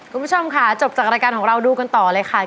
คุณผู้ชมค่ะจบจากรายการของเราดูกันต่อเลยค่ะ